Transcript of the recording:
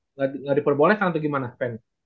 enggak diperbolehkan atau gimana fen